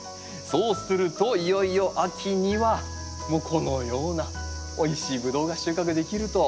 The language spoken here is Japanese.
そうするといよいよ秋にはこのようなおいしいブドウが収穫できると。